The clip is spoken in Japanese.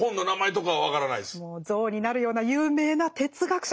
像になるような有名な哲学者